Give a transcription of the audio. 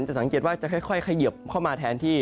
สังเกตว่าจะค่อยเขยิบเข้ามาแทนที่